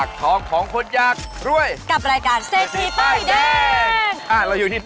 คอยรวยคอยรวย